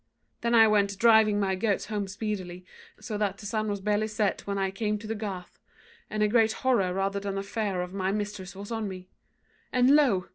Then I went driving my goats home speedily, so that the sun was barely set when I came to the garth; and a great horror rather than a fear of my mistress was on me; and lo!